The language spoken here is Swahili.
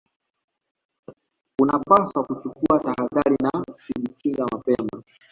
unapaswa kuchukua tahadhari na kujikinga mapema